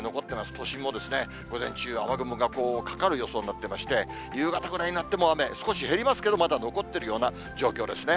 都心もですね、午前中、雨雲がかかる予想になっていまして、夕方ぐらいになっても、雨、少し減りますけど、少しまだ残っているような状況ですね。